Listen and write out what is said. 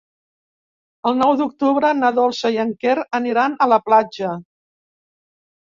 El nou d'octubre na Dolça i en Quer aniran a la platja.